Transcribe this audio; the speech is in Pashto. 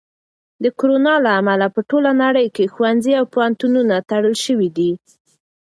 د کرونا له امله په ټوله نړۍ کې ښوونځي او پوهنتونونه تړل شوي دي.